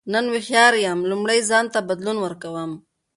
نن هوښیار یم لومړی ځان ته بدلون ورکوم.